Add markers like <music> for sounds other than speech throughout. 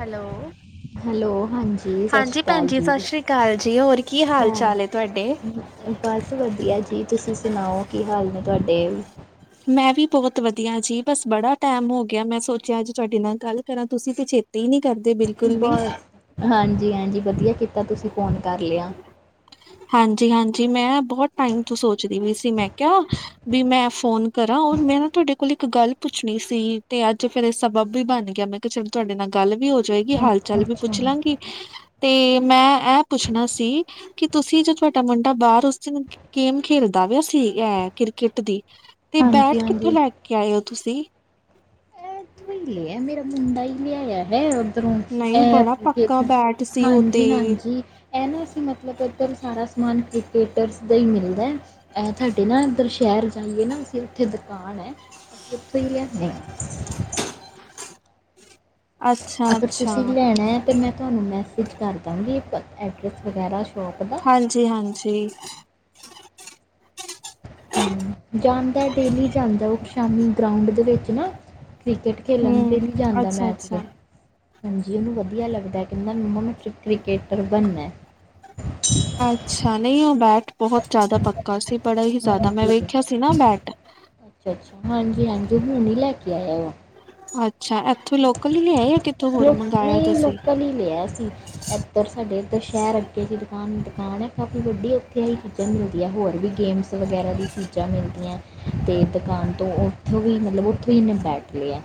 Hello hello ਸਤਿ ਸ਼੍ਰੀ ਹਾਂਜੀ ਅਕਾਲ ਭੈਣਜੀ ਜੀ ਸਤਿ ਸ੍ਰੀ ਅਕਾਲ ਜੀ ਹੋਰ ਕੀ ਹਾਲ ਚਾਲ ਏ ਤੁਹਾਡੇ ਬਸ ਵਧੀਆ ਜੀ ਤੁਸੀਂ ਸੁਣਾਓ ਕੀ ਹਾਲ ਨੇ ਤੁਹਾਡੇ ਮੈਂ ਵੀ ਬਹੁਤ ਵਧੀਆ ਜੀ ਬਸ ਬੜਾ ਟਾਈਮ ਹੋ ਗਿਆ ਮੈਂ ਸੋਚਿਆ ਅਜ ਤੁਹਾਡੇ ਨਾਲ ਗੱਲ ਕਰਾਂ ਤੁਸੀਂ ਵੀ ਛੇਤੀ ਨੀ ਕਰਦੇ ਬਿਲਕੁਲ ਵੀ ਬਸ ਹਾਂਜੀ ਹਾਂਜੀ ਵਧੀਆ ਕੀਤਾ ਤੁਸੀਂ ਫੋਨ ਕਰ ਲਿਆ ਹਾਂਜੀ ਹਾਂਜੀ ਮੈਂ ਬਹੁਤ ਟਾਈਮ ਤੋਂ ਸੋਚਦੀ ਵੀਈ ਸੀ ਮੈਂ ਕਿਹਾ ਵੀ ਮੈਂ ਫੋਨ ਕਰਾਂ ਮੈਂ ਨਾ ਤੁਹਾਡੇ ਕੋਲ ਇੱਕ ਗੱਲ ਪੁੱਛਣੀ ਸੀ ਤੇ ਅੱਜ ਫੇਰ ਇਹ ਸਬਬ ਵੀ ਬਣ ਗਿਆ ਮੈਂ ਚੱਲ ਤੁਹਾਡੇ ਨਾਲ ਗੱਲ ਵੀ ਹੋ ਜਾਏਗੀ, ਹਾਲ ਅੱਛਾ ਚਾਲ ਵੀ ਅੱਛਾ ਪੁੱਛ ਲਾਂਗੀ। ਤੇ ਮੈਂ ਇਹ ਪੁੱਛਣਾ ਸੀ ਕਿ ਤੁਸੀਂ ਜੋ ਤੁਹਾਡਾ ਮੁੰਡਾ ਬਾਹਰ ਉਸ ਦਿਨ ਗੇਮ ਖੇਲਦਾ ਵਾ ਸੀ ਇਹ ਕ੍ਰਿਕਟ ਦੀ ਤੇ ਹਾਂਜੀ ਬੈਟ ਹਾਂਜੀ ਕਿੱਥੋਂ ਲੈ ਕੇ ਆਏ ਹੋ ਤੁਸੀਂ? ਇਹਥਈ ਲਿਆ ਮੇਰਾ ਮੁੰਡਾ ਹੀ ਲਿਆਇਆ ਹੈ। ਰੋਂ ਨਹੀਂ ਬੜਾ ਅ ਪੱਕਾ ਬੈਟ ਸੀ ਉਹ ਹਾਂਜੀ- ਤੇ ਹਾਂਜੀ! ਇਹ ਨਾ ਅਸੀਂ ਮਤਲਬ ਇੱਧਰ ਸਾਰਾ ਸਮਾਨ ਕ੍ਰਕੇਟਰਸ ਤੇ ਹੀ ਮਿਲਦਾ। ਇਹ ਤੁਹਾਡੇ ਨਾ ਇੱਧਰ ਸ਼ਹਿਰ ਜਾਈਏ ਨਾ ਅਸੀਂ ਉੱਥੇ ਦੁਕਾਨ ਹੈ ਅਸੀਂ ਉੱਥੋਂ ਹੀ ਲਿਆਦੇ ਹਾਂ। ਅੱਛਾ ਅਗਰ ਅੱਛਾ ਤੁਸੀਂ ਲੈਣਾ ਹੈ ਤਾਂ ਮੈਂ ਤੁਹਾਨੂੰ ਮੈਸੇਜ ਕਰ ਦਵਾਂਗੀ ਐਡਰੈਸ ਵਗੈਰਾ ਸ਼ੋਪ ਦਾ। ਜੀ ਹਾਂਜੀ। ਜਾਂਦਾ ਡੇਲੀ ਜਾਂਦਾ, ਉਹ ਸ਼ਾਮੀ ਗਰਾਊਂਡ ਦੇ ਵਿੱਚ ਨਾ ਕ੍ਰਿਕਟ ਖੇਲਣ ਹੂੰ ਡੇਲੀ ਜਾਂਦਾ ਅੱਛਾ ਮੈਚ ਉਧਰ। ਅੱਛਾ ਹਾਂਜੀ, ਉਹਨੂੰ ਵਧੀਆ ਲੱਗਦਾ, ਕਹਿੰਦਾ ਮੈਮ ਚ ਕ੍ਰਿਕਕੇਟਰ ਬਣਨਾ। ਅੱਛਾ, ਨਹੀਂ ਉਹ ਬੈਟ ਬਹੁਤ ਜਿਆਦਾ ਪੱਕਾ ਸੀ, ਬੜਾ ਹੀ ਜ਼ਿਆਦਾ, ਮੈਂ ਹਾਂਜੀ ਵੇਖਿਆ ਸੀ ਨਾ ਬੈਟ। ਅੱਛਾ ਹਾਂਜੀ -ਹਾਂਜੀ ਹੁਣ ਹੀਂ ਲੈ ਕੇ ਆਇਆ ਵਾ। ਅੱਛਾ, ਇੱਥੋਂ ਲੋਕਲ ਹੀ ਲਿਆਇਆ ਕਿ ਉਹ ਨੇ ਲੋਕਲ ਹੀ ਲਿਆ ਸੀ। ਇੱਧਰ ਸਾਡੇ ਇੱਧਰ ਸ਼ਹਿਰ ਅੱਗੇ ਦੀ ਦੁਕਾਨ- ਦੁਕਾਨ ਹੈ, ਕਾਫ਼ੀ ਵੱਡੀ ਉੱਥੇ ਹੀ। ਚੀਜ਼ਾਂ ਮਿਲਦੀਆਂ, ਹੋਰ ਵੀ ਗੇਮਸ ਵਗੈਰਾ ਦੀ ਚੀਜ਼ਾਂ ਮਿਲਦੀਆਂ। ਤੇ ਦੁਕਾਨ ਤੋਂ, ਉੱਥੋਂ ਹੀ ਮਤਲਬ ਉੱਥੋਂ ਹੀ ਇਹਨੇ ਬੈਟ ਲਿਆ।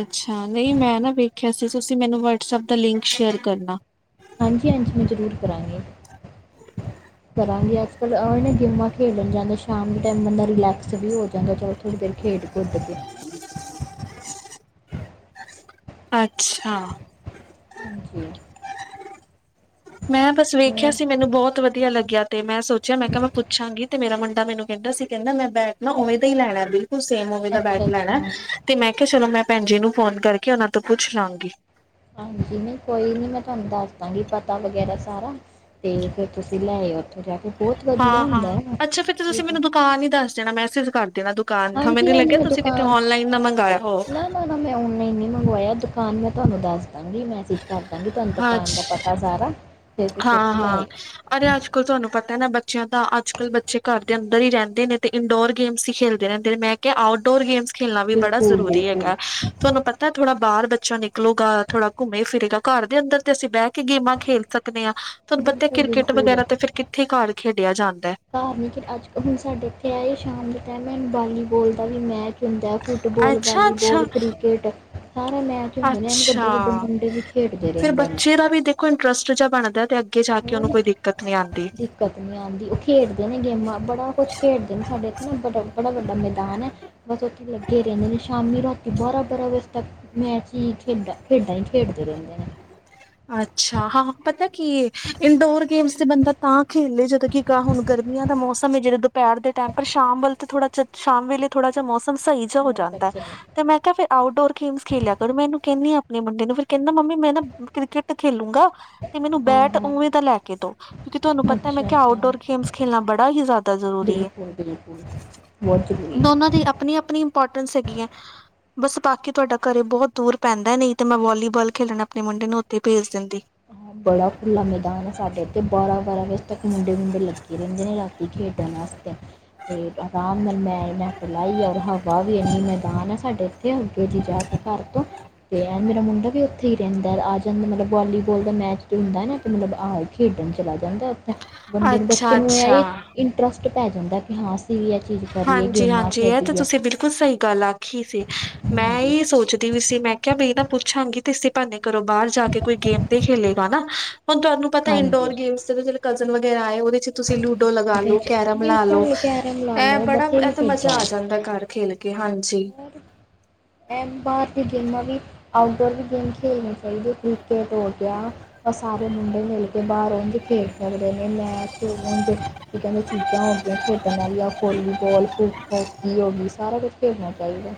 ਅੱਛਾ, ਨਹੀਂ ਮੈਂ ਨਾ ਵੇਖਿਆ ਸੀ, ਤੁਸੀਂ ਮੈਨੂੰ ਵਟਸਐਪ ਦਾ ਲਿੰਕ ਸ਼ੇਅਰ ਕਰਨਾ। ਹਾਂਜੀ -ਹਾਂਜੀ ਮੈਂ ਜ਼ਰੂਰ ਕਰਾਂਗੀ। ਹ ਕਰਾਂਗੇ, ਅੱਜ ਕੱਲ੍ਹ ਉਹਨ ਗੇਮਾਂ ਖੇਡਣ ਜਾਂਦੇ, ਸ਼ਾਮ ਦੇ ਟਾਈਮ ਬੰਦਾ ਰਿਲੈਕਸ ਵੀ ਹੋ ਜਾਂਦਾ ਚੱਲ ਥੋੜ੍ਹੀ ਦੇਰ ਖੇਡ ਕੇ ਕੁੱਦ ਕੇ। ਅੱਛਾ। ਹਾਂਜੀ। ਮੈਂ ਬਸ ਵੇਖਿਆ ਹੋਰ ਸੀ ਮੈਨੂੰ ਬਹੁਤ ਵਧੀਆ ਲੱਗਿਆ, ਤੇ ਮੈਂ ਸੋਚਿਆ, ਮੈਂ ਕਿਹਾ ਮੈਂ ਪੁੱਛਾਂਗੀ ਤੇ ਮੇਰਾ ਮੁੰਡਾ ਮੈਨੂੰ ਕਹਿੰਦਾ ਸੀ ਕਹਿੰਦਾ ਮੈਂ ਬੈਟ ਨਾ ਉਵੇ ਦਾ ਹੀ ਲੈਣਾ ਬਈ। ਤ ਸੇਮ ਓਵੇਂ ਦਾ ਅੱਛਾ ਬੈਟ ਲੈਣਾ ਅੱਛਾ ਤੇ ਮੈਂ ਕਿਹਾ ਚਲੋ ਮੈਂ ਭੈਣ ਜੀ ਨੂੰ ਫੋਨ ਕਰਕੇ ਉਹਨਾਂ ਤੋਂ ਪੁੱਛ ਲਾਂਗੀ। ਹਾਂਜੀ, ਨਹੀਂ ਕੋਈ ਨਹੀਂ ਮੈਂ ਤੁਹਾਨੂੰ ਦੱਸ ਦਾਂਗੀ ਪਤਾ ਵਗੈਰਾ ਸਾਰਾ ਅਤੇ ਫਿਰ ਤੁਸੀਂ ਲੈ ਆਓ, ਉੱਥੋਂ ਜਾ ਕੇ। ਬਹੁਤ ਵਧੀਆ ਹਾਂ ਹੁੰਦਾ -ਹਾਂ ਹੈ ਅੱਛਾ ਫਿਰ ਤੁਸੀਂ ਬਿਲਕੁਲ। ਮੈਨੂੰ ਦ ਦੁਕਾਨ ਹੀ ਦੱਸ ਦੇਣਾ, ਮੈਸੇਜ ਕਰ ਦੇਣਾ, ਦੁਕਾਨ ਹਾਂਜੀ ਮੇਨੂੰ ਹਾਂਜੀ ਲੱਗਿਆ ਮੈਂ ਤੁਸੀਂ ਕਿੱਥੇ ਦੁਕਾਨ ਔਨਲਾਈਨ ਨਾ ਮੰਗਾਇਆ ਹੋ। ਨਾ ਨਾ -ਨਾ ਮੈਂ ਔਨਲਾਈਨ ਨੀ ਮੰਗਵਾਇਆ, ਦੁਕਾਨ ਮੈਂ ਤੁਹਾਨੂੰ ਦੱਸ ਦਾਂਗੀ ਮੈਸੇਜ ਕਰ ਦਾਂਗੀ, ਤੁਹਾਨੂੰ ਦੁਕਾਨ ਦਾ ਪਤਾ ਅਦਾਰਾ। ਹਾਂ -ਹਾਂ! ਅਰੇ ਅੱਜ ਕੱਲ ਤੁਹਾਨੂੰ ਪਤਾ ਨਾ ਬੱਚਿਆਂ ਦਾ, ਅੱਜ ਕੱਲ੍ਹ ਬੱਚੇ ਘਰ ਦੇ ਅੰਦਰ ਹੀ ਰਹਿੰਦੇ ਨੇ, ਤੇ ਇੰਡੋਰ ਗੇਮਸ ਹੀ ਖੇਲਦੇ ਮੈਂ ਕਿਹਾ ਆਊਟਡੋਰ ਗੇਮਸ ਖੇਡਣਾ ਵੀ ਬੜਾ ਬਿਲਕੁਲ ਜ਼ਰੂਰੀ ਬਿਲਕੁਲ ਹੈਗਾ। ਤੁਹਾਨੂੰ ਪਤਾ ਹੈ ਥੋੜਾ ਬਾਹਰ ਬੱਚਾ ਨਿਕਲੂਗਾ, ਥੋੜਾ ਘੁੰਮੇ ਫਿਰੇਗਾ, ਘਰ ਦੇ ਅੰਦਰ ਤੇ ਅਸੀਂ ਬਹਿ ਕੇ ਗੇਮਾਂ ਖੇਲ ਸਕ ਹਾਂ ਤੁਹਾਨੂੰ ਪਤਾ ਬਿਲਕੁਲ ਕ੍ਰਿਕਟ ਬਿਲਕੁਲ ਵਗੈਰਾ ਤੇ ਫੇਰ ਕਿੱਥੇ ਘਰ ਖੇਡਿਆ ਜਾਂਦਾ। ਘਰ ਨਹੀਂ ਕਿ ਅੱਜ ਕਲ ਹੁਣ ਸਾਡੇ ਇੱਥੇ ਆਏ ਸ਼ਾਮ ਦੇ ਟਾਈਮ ਹੈ ਵਾਲੀਬੋਲ ਦਾ ਵੀ ਮੈਚ ਹੁੰਦਾ ਫੁੱਟਬੋਲ ਅੱਛਾ-ਅੱਛਾ, ਵਾਲੀਬੋਲ ਕ੍ਰਿਕਟ ਸਾਰਾ ਮੈਚ ਹੁੰਦੇ ਨੇ ਐਨ ਅੱਛਾ, ਵੱਡੇ ਵੱਡੇ ਮੁੰਡੇ ਵੀ ਖੇਡਦੇ ਫੇਰ ਰਹਿੰਦੇ ਨੇ ਬੱਚੇ ਦਾ ਵੀ ਦੇ ਕੋਈ ਇੰਨਟਰਸਟ ਜਾ ਬਣਦੈ 'ਤੇ ਅੱਗੇ ਜਾ ਕੇ ਉਨੂੰ ਹੋਰ ਕੋਈ ਦਿੱਕਤ ਨੀ ਆਂਦੀ। ਦਿੱਕਤ ਨੀ ਆਂਦੀ ਓ ਖੇਡਦੇ ਨੇ ਗੇਮਾਂ ਬੜਾ ਕੁਛ ਖੇਡਦੇ ਨੇ ਸਾਡੇ ਐਥੇ ਨਾ ਬੜਾ, ਬੜਾ ਵੱਡਾ ਮੈਦਾਨ ਐ। ਬਸ ਉੱਥੇ ਲੱਗੇ ਰੈਂਦੇ ਨੇ ਸ਼ਾਮੀ ਰਾਤੀ ਬਾਰਾਂ-ਬਾਰਾਂ ਵਜੇ ਤੱਕ। ਮੈਚ ਈ ਖੇਡਾਂ, ਖੇਡਾਂ ਈ ਖੇਡਦੇ ਰੈਂਦੇ ਨੇ। ਅੱਛਾ ਹਾਂ-ਹਾਂ ਪਤਾ ਕੀ ਏ ਇੰਡੋਰ ਗੇਮਸ 'ਤੇ ਬੰਦਾ ਤਾਂ ਖੇਲੇ ਜਦੋਂ ਕਿ ਕਾ ਹੁਣ ਗਰਮੀਆਂ ਦਾ ਮੌਸਮ ਏ ਜੇੜੇ ਦੁਪੈਰ ਦੇ ਟੈਮ ਪਰ ਸ਼ਾਮ ਵੱਲ 'ਤੇ ਥੋੜਾ ਚ ਸ਼ਾਮ ਵੇਲੇ ਥੋੜਾ ਜਾ ਮੌਸਮ ਸਈ ਛ ਹੋ ਜਾਂਦੈਂ ਮੋਟਰਸਾਈਕਲ 'ਤੇ ਮੈਂ ਕੇਆ ਫੇਰ ਆਊਟਡੋਰ ਗੇਮਸ ਖੇਲਿਆ ਕਰ ਮੈਂ ਐਨੂੰ ਕੈਂਨੀ ਆ ਆਪਣੇ ਮੁੰਡੇ ਨੂੰ ਫਿਰ ਕੈਂਦਾ ਮੰਮੀ ਮੈਂ ਨਾ ਕ੍ਰਿਕਟ ਖੇਲੂਗਾ 'ਤੇ ਮੈਨੂੰ ਹਾਂ ਬੈਟ ਹਾਂ ਉਵੇਂ ਦਾ ਲੈ ਕੇ ਦੋ ਕਿਉਂਕਿ ਤੁਹਾਨੂੰ ਪਤਾ ਮੈਂ ਅੱਛਾ ਕੇਆ ਅੱਛਾ ਆਊਟਡੋਰ ਖੇਮਸ ਖੇਲਣਾ ਬੜਾ ਹੀ ਜਿਆਦਾ ਜ਼ਰੂਰੀ ਏ, ਬਿਲਕੁਲ ਬਿਲਕੁਲ ਬਹੁਤ ਜ਼ਰੂਰੀ ਹੈ ਦੋਨਾਂ ਦੀ ਆਪਣੀ-ਆਪਣੀ ਇੰਪੋਰਟੈਂਸ ਹੈਗੀ ਐ। ਬਸ ਬਾਕੀ ਤੁਹਾਡਾ ਘਰੇ ਬਹੁਤ ਦੂਰ ਪੈਂਦਾ ਨਈ 'ਤੇ ਮੈਂ ਵੋਲੀਬਾਲ ਖੇਲਣ ਆਪਣੇ ਮੁੰਡੇ ਨੂੰ ਤੇ ਭੇਜ ਦਿੰਦੀ। ਹਾਂ ਬੜਾ ਖੁੱਲਾ ਮੈਦਾਨ ਐ ਸਾਡੇ ਇੱਥੇ ਬਾਰਾਂ-ਬਾਰਾਂ ਵਜੇ ਤੱਕ ਮੁੰਡੇ-ਮੁੰਡੇ ਲੱਗੇ ਰੈਂਦੇ ਨੇ ਰਾ ਤੀ ਖੇਡਣ ਅਸਤੇ। 'ਤੇ ਅਰਾਮ ਨਾਲ ਮੈਂ, ਮੈਂ ਪਲਾਈ ਔਰ ਹਵਾ ਵੀ ਇੰਨੀ ਮੈਦਾਨ ਐ ਸਾਡੇ 'ਤੇ ਉਥੇ ਜ ਜਾ ਕੇ ਘਰ ਤੋਂ ਤੇ ਐ ਮੇਰਾ ਮੁੰਡਾ ਵੀ ਉੱਥੇ ਹੀ ਰੈਂਦਾ ਐਗਾ ਆ ਜਾਂਦਾ ਮਤਲਬ ਵੋਲੀ ਬੋਲ ਦਾ ਮੈਚ ਜੋ ਹੁੰਦਾ ਐ ਨਾ ਆਪ ਮਤਲਬ ਆਹ ਖੇਡਣ ਚਲਾ ਜਾਂਦਾ ਉਥੇ ਬੰਦੇ ਨੂੰ, ਬੱਚੇ ਨੂੰ ਐ ਅੱਛਾ-ਅੱਛਾ ਈ ਇੰਨਟਰਸਟ ਪੈ ਜਾਂਦਾ ਕਿ ਹਾਂ ਅਸੀਂ ਵੀ ਐ ਚੀਜ਼ ਕਰੀਏ ਗੇਮਾਂ ਖੇਡੀਏ। ਤੂੰ ਸਈ ਗੱਲ ਆਖੀ ਸੀ ਮੈਂ ਹਾਂਜੀ ਏਈ ਸੋਚਦੀ ਪੀ ਸੀ ਮੈਂ ਖੇਹਾ ਬੀ ਨਾ ਪੁੱਛਾਂਗੀ 'ਤੇੇ ਇਸੀ ਪਾਨੇ ਘਰੋ ਬਾਰ ਜਾ ਤੇ ਕੋਈ ਗੇਮ 'ਤੇ ਖੇਲੇਗਾ ਨਾ ਹੁਣ ਤੁਹਾਨੂੰ ਪਤਾ ਹਾਂਜੀ ਇੰਨਡੋਰ ਗੇਮਸ 'ਤੇ ਤੋਂ ਚਲੋ ਕਜ਼ਨ ਵਗੈਰਾ ਆਏ ਉਦੇ 'ਚ ਤੁਸੀਂ ਲੂਡੋ ਲਗਾ ਉਹਦੇ ਲੋ, 'ਚ ਕੈਰਮ ਲਾ ਲੋ ਬਿਲਕੁਲ ਕੈਰਮ ਲਾ ਐ ਲਓ ਬੜਾ ਐ ਬਥੇਰੀ 'ਤੇ ਮਜ਼ਾ ਚੀਜ਼ਾਂ ਆ ਜਾਂ ਦਾ ਘਰ ਖੇਲ ਕੇ ਹਾਂਜੀ। ਐ ਬਾਹਰ ਦੀ ਗੇਮਾਂ ਵੀ, ਆਊਟਡੋਰ ਵੀ ਗੇਮ ਖੇਡਨੇ ਚਾਈਦੇ ਕਿ੍ਕੇਟ ਹੋ ਗਿਆ ਆ ਸਾਰੇ ਮੁੰਡੇ ਮਿਲ ਕੇ ਬਾਰ ਉਝ ਖੇਡ ਸਕਦੇ ਨੇ ਮੈਚ ਉਝ ਕਿ ਕੈਂਦੇ ਚੀ ਜਾਂ ਹੋ ਗਿਆ ਖੇਡਣ ਆਲੀਆਂ ਵੋਲੀਬਲ ਫਿਰ ਹੋਕੀ ਹੋਗੀ ਸਾਰਾ ਕੁਛ ਖੇਡਣਾ ਚਾਈਦਾ।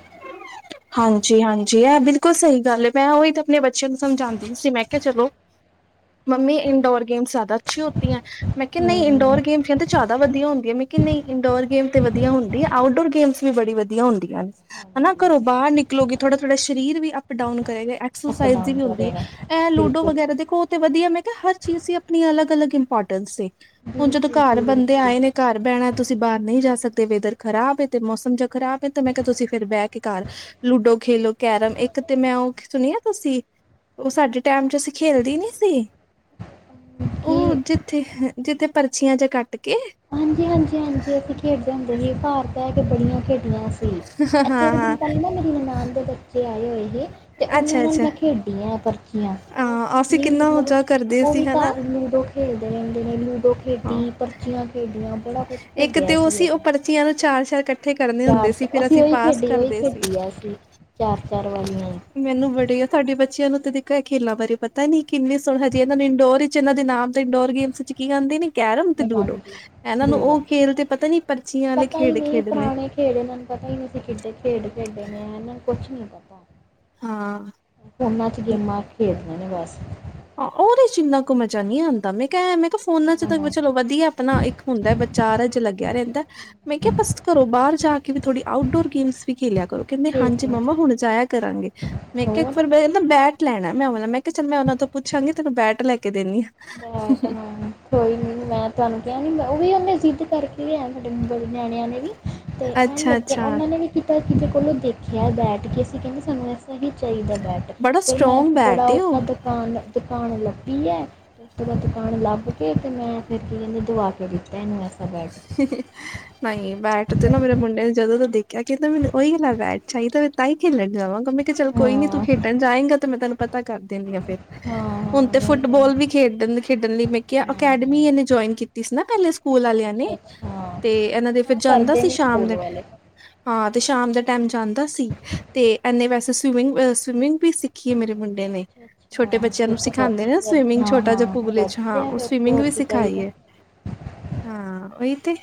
ਹਾਂਜੀ-ਹਾਂਜੀ ਐ ਬਿਲਕੁੱਲ ਸਈ ਗੱਲ ਏ ਮੈਂ ਉਹੀ 'ਤੇ ਆਪਣੇ ਬੱਚਿਆਂ ਨੂੰ ਸਮਝਾਦੀ ਪੀ ਸੀ ਮੈਂ ਕੇਆ ਚਲੋ ਮੰਮੀ ਇੰਡੋਰ ਗੇਮਸ ਜਿਆਦਾ ਅੱਛੀ ਹੋਤੀ ਐ ਮੈਂ ਕੇਆ ਨਈ ਹਮ, ਇੰਡੋਰ ਗੇਮ ਕੈਂਦੇ ਜਿਆਦਾ ਵਧੀਆ ਹੁੰਦੀ ਐ ਮੈ ਕੇਆ ਨਈ ਇੰਨਡੋਰ ਗੇਮ 'ਤੇ ਵਧੀਆ ਹੁੰਦੀ ਐ, ਆਊਟਡੋਰ ਗੇਮਸ ਵੀ ਬੜੀ ਵਧੀਆ ਹੁੰਦੀਆਂ ਨੇ। ਹਨਾ ਹਾਂਜੀ ਘਰੋਂ ਬਾਰ ਨਿਕਲੋਗੇ ਥੋੜਾ-ਥੋੜਾ ਸਰੀਰ ਵੀ ਅਪ-ਡਾਊਨ ਕਰੇਗਾ ਐਕ ਅਪ ਸੋਸਾਈਜ਼ ਦੀ ਡਾਊਨ ਵੀ ਹੁੰਦੀ ਏ, ਕਰੇਗਾ ਐ ਲੂਡੋ ਬਿਲਕੁਲ ਵਗੈਰਾ ਦੇਖੋ 'ਤੇ ਵਧੀਆ ਮੈਂ ਕੇਹਾ ਹਰ ਚੀਜ਼ ਦੀ ਆਪਣੀ ਅਲੱਗ-ਅਲੱਗ ਇੰਪੋਰਟੈਂਸ ਸੇ, ਹੁਣ ਜਦੋਂ ਬਿਲਕੁਲ ਘਾਰ ਜੀ ਬੰਦੇ ਬਿਲਕੁਲ ਆਏ ਨੇ ਘਰ ਬੈਣਾ ਐ ਤੁਸੀਂ ਬਾਰ ਨਈ ਜਾ ਸਕਦੇ ਵੇਦਰ ਖਰਾਬ ਏ 'ਤੇ ਮੌਸਮ ਜਾ ਖਰਾਬ ਏ ਤੇ ਮੈਂ ਕੇਆ ਤੁਸੀਂ ਫੇਰ ਬੈ ਕੇ ਘਰ ਲੂਡੋ ਖੇਲੋ ਕੈਰਮ ਇੱਕ 'ਤੇ ਮੈਂ ਓ ਸੁਣੀ ਆ ਤੁਸੀਂ ਓ ਸਾਡੇ ਟੈਮ 'ਚ ਅਸੀਂ ਖੇਲਦੀ ਨੀ ਸੀ ਕਿ ਓ ਜਿੱਥੇ, ਜਿੱਥੇ ਪਰਚੀਆਂ ਜਾ ਕੱਟ ਕੇ ਹਾਂਜੀ-ਹਾਂਜੀ-ਹਾਂਜੀ ਅਸੀਂ ਖੇਡਦੇ ਹੁੰਦੇ ਸੀ ਭਾਰਤ ਐ ਕੇ ਬੜੀਆਂ ਖੇ ਡੀਆਂ ਸੀ ਐ ਥੋੜੇ ਹਾਂ-ਹਾਂ ਦਿਨ ਪੈਲੇ ਨਾ ਮੇਰੀ ਨਨਾਣ ਦੇ ਬੱਚੇ ਆਏ ਹੋਏ ਹੀ ਤੇ ਉਨਾਂ ਨਾਲ ਅੱਛਾ-ਅੱਛਾ ਮੈਂ ਖੇਡੀਆਂ ਪਰਚੀਆਂ ਓ ਹਾਂ ਅਸੀਂ ਇੰਨੀ ਕਿੰਨਾ ਮਤਲਬ ਮਜ਼ਾ ਕਰਦੇ ਓ ਸੀ ਵੀ ਹਨਾ ਘਾਰ ਲੂਡੋ ਖੇਡਦੇ ਰੈਂਦੇ ਨੇ ਲੂਡੋ ਹਾਂ ਖੇਡੀ, ਪਰਚੀਆਂ ਖੇਡੀਆਂ ਬੜਾ ਕੁਛ ਖੇਡਿਆ ਸੀ ਉਦੋਂ। ਚੀਆਂ ਨੂੰ ਚਾਰ-ਚਾਰ ਕੱ ਚਾਰ ਚ ਅਸੀਂ ਉਈ ਖੇਡੀ ਉਈ ਸੀ ਖੇਡੀ ਆ ਅਸੀਂ ਚਾਰ-ਚਾਰ ਵਾਲੀਆਂ ਈ। ਮੈਨੂੰ ਬੜੀ ਆ ਤੁਹਾਡੀ ਬੱਚਿਆਂ ਨੂੰ 'ਤੇ ਦੇਖੋ ਐ ਖੇਲਾਂ ਬਾਰੇ ਪਤਾ ਨੀ ਕਿੰਨੇ ਸੋ ਹਜੇ ਇਨਾਂ ਨੇ ਇੰਡੋਰ ਈ ਚ ਇਹਨਾਂ ਦੇ ਨਾਮ ਤੇ ਇੰਡੋਰ ਗੇਮਸ ਚ ਕੀ ਕੇਂਦੇ ਨੇ। ਕੈਰਮ ਤੇ ਲੂਡੋ ਹਾਂਜੀ ਇਹਨਾਂ ਨੂੰ ਲੂਡੋ ਉਹ ਖੇਲ ਤੇ ਪਤਾ ਨੀ, ਪਰਚੀਆਂ ਆਲੇ ਪਤਾ ਹੀ ਖੇਡ ਨਹੀਂ ਖੇਡਣੇ। ਪੁਰਾਣੇ ਖੇਡ ਇਹਨਾਂ ਨੂੰ ਪਤਾ ਈ ਨੀ ਅਸੀ ਕਿੱਡੇ ਖੇਡ ਖੇਡੇ ਨੇ, ਇਹਨਾਂ ਨੂੰ ਕੁੱਛ ਨੀ ਪਤਾ। ਹਾਂ ਫੋਨਾ ਚ ਗੇਮਾਂ ਖੇਡਦੇ ਨੇ ਬਸ। ਹਾਂ ਉਹਦੇ ਚ ਇਨਾ ਕੁ ਮਜ਼ਾ ਨੀ ਆਂਦਾ ਮੈਂ ਕ ਮੈਂ ਕਿਹਾ ਫੋਨਾ ਚ ਤਾਂ ਚਲੋ ਵਧੀਆ ਆਪਣਾ, ਇੱਕ ਹੁੰਦਾ ਐ ਬੱਚਾ ਆਰੇ ਜੇ ਲੱਗਿਆ ਰਹਿੰਦਾ। ਮੈਂ ਕਿਹਾ ਬਸ ਘਰੋਂ ਬਾਹਰ ਜਾ ਕੇ ਵੀ ਥੋੜੀ ਆਊਟਡੋਰ ਗੇਮਸ ਵੀ ਖੇਲਿਆ ਕਰੋ, ਕਹਿੰਦੇ ਹਾਂਜੀ ਖੇਡਦੇ ਮੰਮਾ ਹੁਣ ਜਾਇਆ ਕਰਾਂਗੇ, ਮੈਂ ਕਿਹਾ ਇੱਕ ਹੋਰ ਵਾਰ ਮ ਕਹਿੰਦਾ ਬੈਠ ਲੈਣਾ ਮੈਂ ਉਹ ਵਾਲਾ, ਮੈ ਕਿਹਾ ਚੱਲ ਮੈਂ ਉਹਨਾਂ ਤੋਂ ਪੁੱਛਾਂਗੀ, ਤੈਂਨੂੰ ਬੈਟ ਲੈ ਕੇ ਦਿੰਨੀ ਆ। ਬੈਟ ਹਾਂ। ਕੋਈ ਨੀ ਮੈਂ ਤੁਹਾਨੂੰ ਕਿਹਾ ਨੀ, ਮੈਂ ਉਹ ਵੀ ਉਹਨੇ ਜ਼ਿੱਦ ਕਰਕੇ ਲਿਆ ਤੁਹਾਡੇ ਬੜੇ ਨਿਆਣਿਆਂ ਨੇ ਵੀ। ਤੇ ਐਂ ਅੱਛਾ ਲੱਗਿਆ ਅੱਛਾ ਉਹਨਾਂ ਨੇ ਵੀ ਕੀਤਾ, ਕਿਸੇ ਕੋਲੋਂ ਦੇਖਿਆ ਐ ਬੈਟ ਕੇ ਅਸੀਂ ਕਹਿੰਦੇ ਸਾਨੂੰ ਉਹੀ ਚਾਹੀਂਦਾ ਬੈਟ, ਬੜਾ ਫਿਰ ਮੈਂ ਸਟਰੋਂਗ ਇੱਕ ਬੜਾ ਬੈਟ ਏ ਔਖਾ ਉਹ ਦੁਕਾਨ- ਦੁਕਾਨ ਲੱਭੀ ਐ। ਉਪਰੋ ਦੁਕਾਨ ਲੱਭ ਕੇ ਤੇ ਮੈਂ ਫਿਰ ਕੀ ਕਹਿੰਦੇ, ਦਵਾ ਕੇ ਦਿੱਤਾ ਇਹਨੂੰ ਵਸ <inaudible> ਨਈ- ਨਈ ਬੈਟ ਤੇ ਨਾ ਮੇਰੇ ਮੁੰਡੇ ਨੇ ਜਦੋਂ ਦਾ ਦੇਖਿਆ ਕਹਿੰਦਾ ਮੈਨੂੰ ਉਹੀ ਆਲਾ ਬੈਟ ਚਾਹੀਦਾ, ਮੈਂ ਤਾਂ ਹੀ ਖੇਲਣ ਜਾਵਾਂਗਾ ਮੈਂ ਮੈਂ ਕਿਹਾ ਚੱਲ ਕੋਈ ਨੀ ਤੂੰ ਹਾਂ ਖੇਡਣ ਜਾਏਂਗਾ, ਤੇ ਮੈਂ ਤੈਨੂੰ ਪਤਾ ਕਰ ਦਿੰਨੀ ਆ ਫੇਰ। ਹਾਂ ਹੁਣ ਹਾਂ ਤੇ ਨਹੀਂ ਫੁੱਟਬਾਲ ਵੀ ਖੇਡਣ- ਖੇਡਣ ਲੀ ਮੈਂ ਕਿਆ, ਨਹੀਂ ਹਾਂ ਅਕੈਡਮੀ ਹਾਂ ਇਹਨੇ ਜੁਆਇਨ ਕੀਤੀ ਸੀ ਨਾ ਪਹਿਲੇ ਸਕੂਲ ਆਲਿਆਂ ਨੇ। ਅੱਛਾ ਅੱਛਾ ਤੇ ਇਹਨਾਂ ਦੇ ਫਿਰ ਹਾਂ ਜਾਂਦਾ ਕਰਦੇ ਸੀ ਨੇ ਸ਼ਾਮ ਸਕੂਲ ਦੇ ਵਾਲੇ। ਹਾਂ ਤੇ ਸ਼ਾਮ ਦਾ ਟੈਮ ਜਾਂਦਾ ਸੀ, ਤੇ ਐਨੇ ਵੈਸੇ ਸਵੀਮਿੰਗ- ਸਵੀਮਿੰਗ ਵੀ ਸਿੱਖੀ ਏ ਮੇਰੇ ਮੁੰਡੇ ਨੇ। ਅੱਛਾ ਛੋਟੇ ਅੱਛਾ। ਬੱਚਿਆਂ ਫਿਰ ਨੂੰ ਤਾਂ ਵਧ ਸਿਖਾਂਦੇ ਨੇ ਨਾ ਵਧ ਸਵੀਮਿੰਗ, ਹਾਂ ਛੋਟਾ ਜਿਹਾ ਹਾਂ ਪੂਲ ਇੰਚ ਹਾਂ ਵਧੀਆ ਉਹ ਫਿਰ ਤਾਂ ਸਵੀਮਿੰਗ ਵੀ ਹੋਰ ਕੀ ਸਿਖਾਈ ਚਾਹੀਦਾ। ਐ। ਹਾਂ ਉਈ ਤੇ।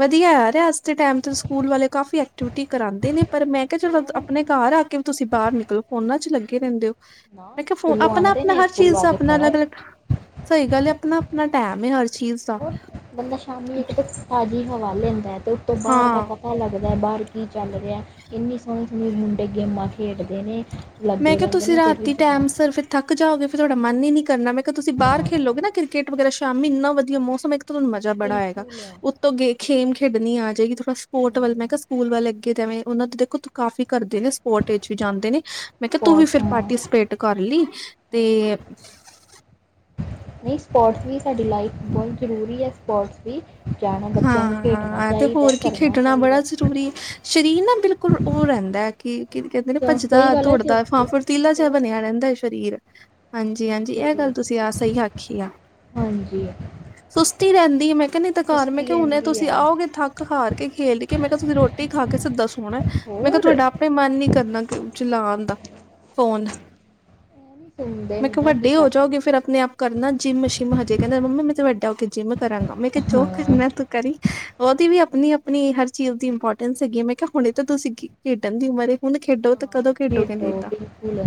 ਵਧੀਆ ਆ ਅੱਰ ਅੱਜ ਦੇ ਟੈਮ ਤੇ ਸਕੂਲ ਵਾਲੇ ਕਾਫੀ ਐਕਟੀਵਿਟੀ ਕਰਾਂਦੇ ਨੇ, ਪਰ ਮੈਂ ਕਿਹਾ ਚਲੋ ਹੋਰ ਆਪਣੇ ਘਰ ਆ ਕੇ ਵੀ ਤੁਸੀਂ ਬਾਹਰ ਨਿਕਲੋ ਫੋਨਾਂ ਚ ਲੱਗੇ ਰਹਿੰਦੇ ਓ। ਨਾ ਮੈਂ ਕਿਹਾ ਫੋ ਸਕੂਲੋਂ ਆਪਣਾ ਆਂਦੇ -ਆਪਣਾ ਨੇ ਹਰ ਸਕੂਲੋਂ ਚੀਜ਼ ਆ ਦਾ ਕੇ ਆਪਣਾ ਫੋਨ ਅਲੱਗ- ਅਲੱਗ ਸਹੀ ਗੱਲ ਐ, ਆਪਣਾ-ਆਪਣਾ ਟੈਮ ਏ ਹਰ ਚੀਜ਼ ਦਾ। ਹੋਰ ਬੰਦਾ ਸ਼ਾਮੀ ਇੱਕ ਤਾਂ ਤਾਜ਼ੀ ਹਵਾ ਲੈਂਦਾ ਐ ਤੇ ਉੱਤੋਂ ਬਾਹਰ ਦਾ ਹਾਂ ਕੰ ਪਤਾ ਲੱਗਦਾ ਐ ਬਾਹਰ ਕੀ ਚੱਲ ਰਿਆ, ਇੰਨੀ ਸੋਹਣੀ- ਸੋਹਣੀ ਮੁੰਡੇ ਗੇਮਾਂ ਖੇਡਦੇ ਨੇ। ਮੈਂ ਲੱਗੇ ਕਿਹਾ ਰਹਿੰਦੇ ਤੁਸੀਂ ਨੇ ਫਿਰ ਵੀ ਰਾਤੀ ਜਵਾਨ ਟੈਮ ਸਿਰ ਫਿਰ ਥੱਕ ਜਾਓਗੇ ਫਿਰ ਤੁਹਾਡਾ ਮਨ ਈ ਨੀ ਕਰਨਾ, ਮੈਂ ਕਿਹਾ ਤੁਸੀਂ ਬਾਹਰ ਖੇਲੋਗੇ ਨਾ ਕ੍ਰਿਕਟ ਵਗੈਰਾ ਸ਼ਾਮੀ ਏਨਾ ਵਧੀਆ ਮੌਸਮ ਤੁਹਾਨੂੰ ਮਜ਼ਾ ਬੜਾ ਆਏਂਗਾ, ਬਿਲਕੁਲ ਉੱਤੋਂ ਗ ਖੇਮ ਖੇਡਣੀ ਆਜੇਗੀ ਥੋੜਾਂ ਸਪੋਰਟ ਵੱਲ, ਮੈਂ ਹੂੰ ਕਿਹਾ ਸਕੂਲ ਵੱਲ ਤੇ ਐਵੇਂ ਉਹਨਾਂ ਦੇ ਦੇਖੋ ਤ ਕਾਫੀ ਕਰਦੇ ਨੇ, ਸਪੋਟ ਵਿੱਚ ਵੀ ਜਾਂਦੇ ਨੇ। ਮੈਂ ਕਿਹਾ ਤੂੰ ਵੀ ਸਪੋਰਟਸ ਫਿਰ ਹਾਂ ਪਾਰਟੀਸਪੇਟ ਕਰ ਲੀ, ਤੇ ਨਹੀਂ ਸਪੋਰਟਸ ਵੀ ਸਾਡੀ ਲਾਈਫ ਬਹੁਤ ਜ਼ਰੂਰੀ ਐ ਸਪੋਰਟਸ ਵੀ। ਜਾਣਾ ਬੱਚਿਆਂ ਨੂੰ ਹਾਂ ਖੇਡਣਾ ਐ ਤੇ ਚਾਹੀਦਾ ਹੋਰ ਕੀ ਕਰਨਾ ਖੇਡਣਾ ਬੜਾ ਚਾਹੀਦਾ ਜ਼ਰੂਰੀ, ਸ਼ਰੀਰ ਨਾ ਬਿਲਕੁਲ ਓ ਰਹਿੰਦਾ ਐ। ਕੀ -ਕੀ ਕਹਿੰਦੇ ਨੇ ਤਾਂ ਸਹੀ ਭੱਜਦਾ ਗੱਲ ਹੈ ਚ ਦੋੜਦਾ ਹਾਂ ਫੇਰ ਤੀਲਾਂ ਜਾ ਹੋਰ ਬਣਿਆਂ ਰਹਿੰਦਾਂ ਐ ਸ਼ਰੀਰ। ਹਾਂਜੀ -ਹਾਂਜੀ ਐਹ ਬਿਲਕੁਲ, ਗੱਲ ਤੁਸੀਂ ਆ ਸਹੀ ਆਖੀ ਆ। ਹਾਂਜੀ। ਸੁਸਤੀ ਰਹਿੰਦੀ ਐ ਮੈਂ ਕਿਹਾ ਨਹੀਂ ਤਾਂ ਘਰ ਮੈਂ ਸੁਸਤੀ ਕਿਹਾ ਹੁਣੇ ਰਹਿੰਦੀ ਤੁਸੀਂ ਹੈ ਆਓਗੇ ਥੱਕ ਹਾਰ ਕੇ ਖੇਡ ਕੇ, ਮੈਂ ਕਿਹਾ ਤੁਸੀਂ ਰੋਟੀ ਖਾ ਕੇ ਸਿੱਧਾ ਸੋਣਾ ਐ। ਮੈਂ ਕਿਹਾ ਹੋਰ ਤੁਹਾਡਾ ਆਪੇ ਮਨ ਨੀ ਕਰਨਾ ਕਿ ਚਲਾਣ ਦਾ ਫ਼ੋਨ। <unintelligible> ਮੈਂ ਕਿਹਾ ਨਾ ਕੀ ਵੱਡੇ ਹੋ ਕਰ ਜਾਓਗੇ ਸਕਦੇ ਫਿਰ ਆਪਣੇ ਆਪ ਕਰਨਾ ਜਿੰਮ ਸ਼ਿਮ, ਹਜੇ ਕਹਿੰਦਾ ਮੰਮਾ ਮੈਂ ਤੇ ਵੱਡਾ ਹੋ ਕੇ ਜਿੰਮ ਕਰਾਂਗਾ ਮੈਂ ਕਿਹਾ ਹਾਂ ਹਾਂ ਮੈਂ ਤੂੰ ਕਰੀ, ਉਹਦੀ ਵੀ ਆਪਣੀ- ਆਪਣੀ ਹਰ ਚੀਜ਼ ਦੀ ਇੰਪੋਰਟੈਂਸ ਹੈਗੀ ਮੈਂ ਕਿਹਾ ਹੁਣੇ ਤਾਂ ਤੂੰ ਸਿੱਖ ਖੇਡਨ ਦੀ ਉਮਰ ਏ ਹੁਨ ਖੇਡੋ ਤੇ ਕਦੋਂ ਖੇਡੋਗੇ ਨਈਂ ਤਾਂ। ਸਕੂਲ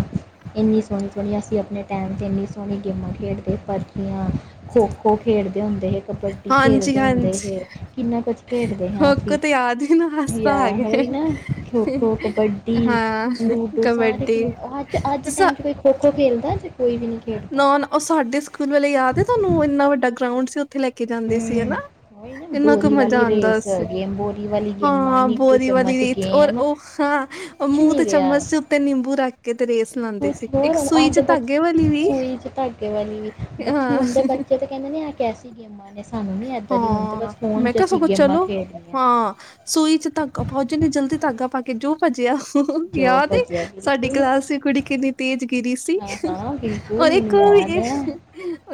ਏਨੀ ਸੋਨੀ-ਸੋਨੀ ਅਸੀਂ ਆਪਣੇ ਟਾਈਮ ਤੇ ਏਨੀ ਸੋਨੀ ਗੇਮਾਂ ਖੇਡਦੇ ਪਰਚੀਆਂ ਖੋ-ਖੋ ਖੇਡਦੇ ਹੁੰਦੇ ਸੀ, ਕਬੱਡੀ ਹਾਂਜੀ ਖੇਡਦੇ ਹੁੰਦੇ ਸੀ। ਹਾਂਜੀ ਕਿੰਨਾ ਕੁਛ ਖੇਡਦੇ ਸਾਂ ਖੋਖੋ ਅਸੀਂ, ਤੇ ਯਾਦ ਹੀ ਨਾ ਹਾਸਾ ਜਾ ਆ ਗਏ ਹੋਈ ਨਾ ਖੋ-ਖੋ, ਕਬੱ ਡੀ ਹਾਂ ਲੂਡੋ ਸਾਰੇ ਖੇ ਕਬੱਡੀ ਅੱਜ-ਅੱਜ ਦੇ ਤੁਸ ਟਾਈਮ ਚ ਕੋਈ ਖੋ-ਖੋ ਖੇਲਦਾ ਜੇ ਕੋਈ ਵੀ ਨੀ। ਨੌਨ ਓ ਸਾਡੇ ਸਕੂਲ ਵਾਲੇ ਯਾਦ ਏ ਤੁਆਨੂੰ ਇੰਨਾ ਵੱਡਾ ਗਰਾਊਂਡ ਸੀ ਓਥੇ ਲੈ ਕੇ ਜਾਂਦੇ ਸੀ ਹਨਾ। ਹੂੰ ਉਹੀ ਨਾ ਇੰਨਾ ਕੁ ਬੋਰੀ ਮਜ਼ਾ ਵਾਲੀ ਆਂਦਾ ਰੇਸ ਸੀ ਗੇਮ ਬੋਰੀ ਵਾਲੀ ਗੇਮਾਂ ਹਾਂ ਨਿੰਬੂ ਬੋਰੀ ਵਾਲੀ ਚਮਚ ਰੀਤ ਔਰ ਗੇਮ ਓ ਹਾਂ ਓ ਕੁਛ ਮੂੰ ਨਹੀਂ ਤੇ ਰਿਹਾ ਚਮਚ ਦੇ ਉੱਤੇ ਨਿੰਬੂ ਰੱਖ ਕੇ ਤੇ ਰੇਸ ਲਾਂਦੇ ਸੀ ਕੁਛ ਇੱਕ ਹੋਰ ਸੂਈ ਅੱਜ ਚ ਦੇ ਬੱਚੇ ਧਾਗੇ ਵਾਲ ਸੂਈ ਚ ਧਾਗੇ ਵਾਲੀ ਬੱਚੇ ਹਾਂ ਹੁਨ ਦੇ ਬੱਚੇ ਤੇ ਕੈਂਦੇ ਨੇ ਆ ਕੈਸੀ ਗੇਮਾਂ ਨੇ। ਸਾਨੂੰ ਨੀ ਇੱਦਾਂ ਦੀ ਹੁਨ ਤੇ ਹਾਂ ਬਸ ਫੋਨ ਮੈਂ ਚ ਕਿਹਾ ਅਸੀਂ ਸਗੋਂ ਗੇਮਾਂ ਚਲੋ ਖੇ ਹਾਂ ਸੂਈ ਚ ਧਾਗਾ ਪਾਓ ਜਿੰਨੀ ਜਲਦੀ ਧਾਗਾ ਪਾ ਕੇ ਜੋ ਭੱਜਿਆ ਜੋ ਯਾਦ ਏ, ਭੱਜਿਆ ਸਾਡੀ ਬਿਲਕੁਲ ਕਲਾਸ ਦੀ ਕੁੜੀ ਕਿੰਨੀ ਤੇਜ਼ ਗਿਰੀ ਸੀ। ਹਾਂ ਹਾਂ ਬਿਲਕੁਲ ਔਰ ਇੱਕ ਮੈਨੂੰ ਯਾਦ ਹੈ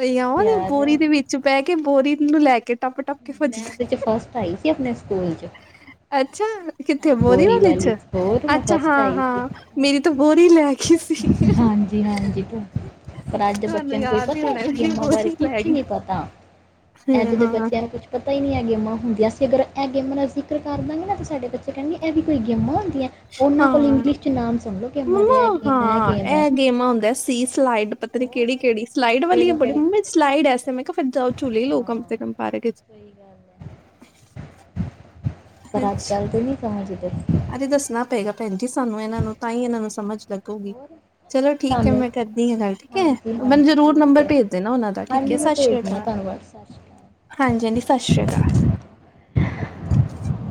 ਏ ਯਾਦ ਏ ਓ ਬੋਰੀ ਦੇ ਵਿੱ ਚ ਬੈ ਕੇ ਬੋਰੀ ਨੂੰ ਲੈ ਕੇ ਟੱਪ ਟੱਪ ਕੇ ਭੱਜਣਾ ਮੈਂ ਓਦੇ ਚ ਫਸਟ ਆਈ ਸੀ ਆਪਨੇ ਸਕੂਲ ਚ। ਅੱਛਾ। ਕਿੱਥੇ ਹਾਂ ਬੋਰੀ ਵਾਲੇ ਚ ਵਾਲੀ ਹੋਰ ਮੈਂ ਅੱਛਾ ਫਸਟ ਹਾਂ-ਹਾਂ ਮੇਰੀ ਤਾਂ ਬੋਰੀ ਲੈਗੀ ਸੀ। ਹਾਂਜੀ-ਹਾਂਜੀ ਤੋ ਪਰ ਅੱਜ ਦੇ ਤੁਹਾਨੂੰ ਬੱਚੇਆਂ ਨੂੰ ਕੋਈ ਯਾਦ ਹੀ ਪਤਾ ਹੋਣਾ ਇਸ ਮੇਰੀ ਗੇਮਾਂ ਬਾਰੇ ਬੋਰੀ ਲੈ ਕੁਛ ਗਈ। ਨੀ ਪਤਾ। ਐਜ ਹੂੰ, ਦੇ ਬੱਚੇਆਂ ਨੂੰ ਕੁੱਛ ਪਤਾ ਈ ਨੀ ਐ ਗੇਮਾਂ ਹੁੰਦੀਆਂ ਸੀ ਅਗਰ ਐ ਗੇਮਾਂ ਦਾ ਜ਼ਿਕਰ ਕਰਦਾਂਗੇ ਨਾ ਤਾਂ ਸਾਡੇ ਬੱ ਚੇ ਕੈਨਗੇ ਐ ਵੀ ਕੋਈ ਗੇਮਾਂ ਹੁੰਦੀਆਂ ਓਨਾਂ ਕੋਲ ਹਾਂ-ਹਾਂ। ਇੰਗਲਿਸ਼ ਚ ਨਾਮ ਸੁਨ ਲੋ ਗੇਮਾਂ ਦੇ ਐ ਮੰਮਾ ਗੇਮ ਐ-ਐ ਹਾਂ, ਗੇਮ ਐ। ਇਹ ਗੇਮਾਂ ਹੁੰਦਾ <unintelligible> ਤੀਅ ਸਲਾਈਡ ਪਤਾ ਨੀ ਕੇੜੀ-ਕੇੜੀ ਸਲਾਈਡ ਵਾਲੀ ਐ ਕਿਹੜੀ ਬੜੀ ਕਿਹੜੀ ਮੰਮੀ ਸਲਾਈਡ ਐਸੇ ਮੈਂ ਕਿਆ ਫੇਰ ਜਾਓ ਝੂਲੇ ਲਓ ਕਮ ਸੇ ਕਮ ਪਾਰਕ ਵਿਚ ਸਈ ਗੱਲ ਹੈ ਅੱਛਾ। ਨਹੀਂ ਸਮਜ ਦੇ ਅਰੇ ਦੱਸਨਾ ਪਏਗਾ ਭੈਨ ਜੀ ਸਾਨੂੰ ਏਨਾਂ ਨੂੰ ਤਾਂਈ ਏਨਾਂ ਨੂੰ ਸਮਜ ਲੱਗੂਗੀ। ਹੋਰ ਚਲੋ ਠੀਕ ਐ ਸਾਨੂੰ ਮੈਂ ਕਰਦੀ ਆਂ ਗੱਲ ਠੀਕ ਐ ਹਾਂਜੀ ਮੈਨੂੰ ਹਾਂਜੀ ਜ਼ਰੂਰ ਠੀਕ ਨੰਬਰ ਹੈ ਭੇਜ ਦੇਨਾ ਓਨਾਂ ਦਾ ਠੀਕ ਐ ਸਸ ਰੀਆ ਕਾਲ। ਸਾਸ਼ੀ ਕਾ- ਹਾਂਜੀ-ਹਾਂਜੀ ਸਸ਼ ਰੀਆ ਕਾਲ।